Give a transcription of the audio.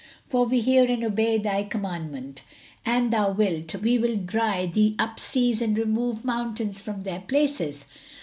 For we hear and obey thy commandment. An thou wilt, we will dry thee up seas and remove mountains from their places."